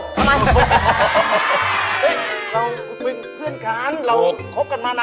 เฮ้ยเราเป็นเบื่อนค้านเราคบกันมานาน